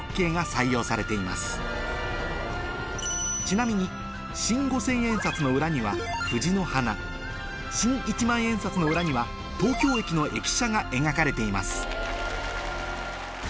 ちなみに新五千円札の裏には新一万円札の裏にはが描かれています